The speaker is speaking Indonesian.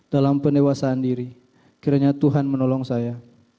dalam penewasaan diri kiranya tuhan menolong saya